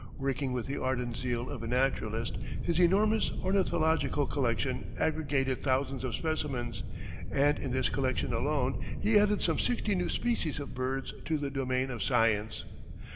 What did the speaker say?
Working with the ardent zeal of a naturalist, his enormous ornithological collection aggregated thousands of specimens, and in this collection alone he added some sixty new species of birds to the domain of science.